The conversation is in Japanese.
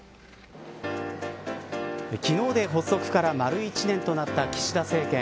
昨日で発足から丸一年となった岸田政権。